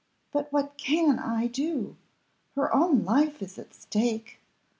"But what can I do? her own life is at stake!